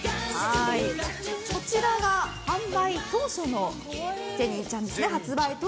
こちらが販売当初のジェニーちゃんです。